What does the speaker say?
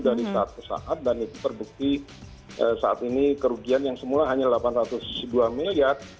dari saat ke saat dan itu terbukti saat ini kerugian yang semula hanya delapan ratus dua miliar